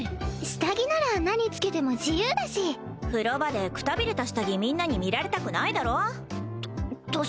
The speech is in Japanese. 下着なら何つけても自由だし風呂場でくたびれた下着みんなに見られたくないだろた